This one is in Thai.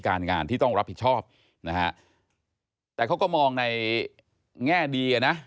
การงานที่ต้องรับผิดชอบนะฮะแต่เขาก็มองในแง่ดีอ่ะนะ